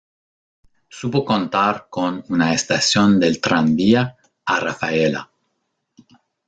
Supo contar con una estación del tranvía a Rafaela.